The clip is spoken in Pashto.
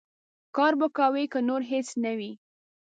کار به کوې، که نور هېڅ نه وي.